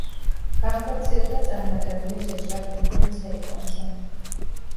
განხორციელდა წარმატებული შეჭრა კუნძულ ცეილონზე.